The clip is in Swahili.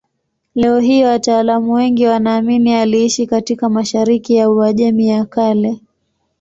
Leo hii wataalamu wengi wanaamini aliishi katika mashariki ya Uajemi ya Kale.